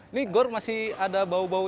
ini gor masih ada bau bau